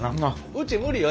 うち無理よ